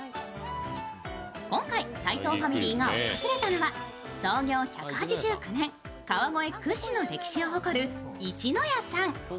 今回、斎藤ファミリーが訪れたのは創業１８９年、川越屈指の歴史を誇るいちのやさん。